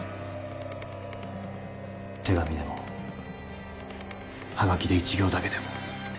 手紙でも葉書で一行だけでも